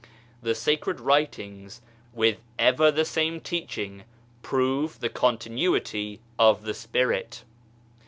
The Sacred Writings (with ever the same Teaching) prove the continuity of the Spirit.